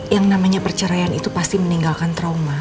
yang namanya perceraian itu pasti meninggalkan trauma